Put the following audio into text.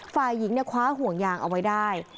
ฝ่ายหญิงคว้าห่วงยางเอาไว้ได้